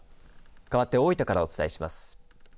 かわって大分からお伝えします。